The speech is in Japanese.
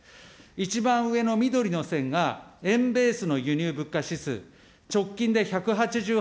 一番上の緑の線が円ベースの輸入物価指数、直近で１８８．１。